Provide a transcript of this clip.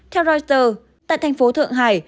theo reuters tại thành phố thượng hải